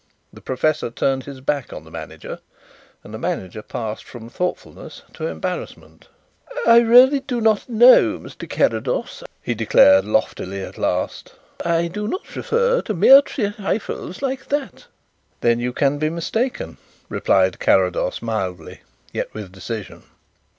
The professor turned his back on the manager and the manager passed from thoughtfulness to embarrassment. "I really do not know, Mr. Carrados," he declared loftily at last. "I do not refer to mere trifles like that." "Then you can be mistaken," replied Carrados mildly yet with decision.